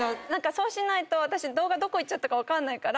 そうしないと私動画どこ行っちゃったか分かんないから。